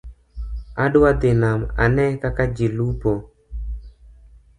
Adwa dhi nam ane kaka ji lupo